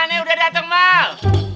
aneh udah dateng mal